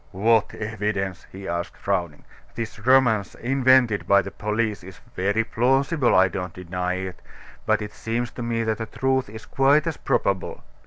"What evidence!" he asked, frowning. "This romance invented by the police is very plausible, I don't deny it; but it seems to me that the truth is quite as probable.